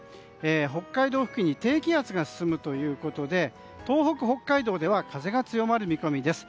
北海道付近に低気圧が進むということで東北と北海道では風が強まります。